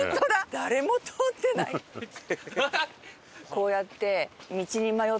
こうやって。